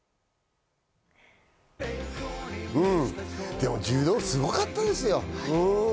でも、柔道すごかったですよ。